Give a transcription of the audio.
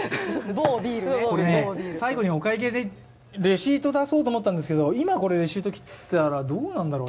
これ最後にお会計でレシート出そうと思ったんですけれども今これレシート切ったらどうなるんだろう。